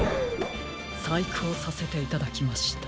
さいくをさせていただきました。